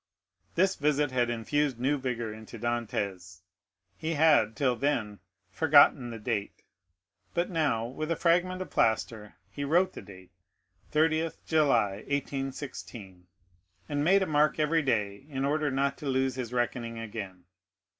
_ This visit had infused new vigor into Dantès; he had, till then, forgotten the date; but now, with a fragment of plaster, he wrote the date, 30th July, 1816, and made a mark every day, in order not to lose his reckoning again.